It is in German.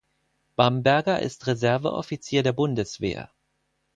Bamberger ist Reserveoffizier der Bundeswehr.